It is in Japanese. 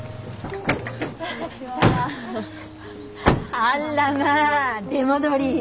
あらまあ出戻り。